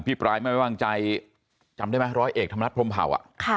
ปลายไม่วางใจจำได้ไหมร้อยเอกธรรมนัฐพรมเผา